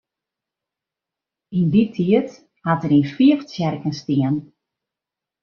Yn dy tiid hat er yn fiif tsjerken stien.